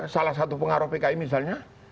salah satu pengaruh pki misalnya